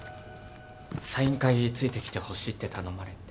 サイン会ついてきてほしいって頼まれて。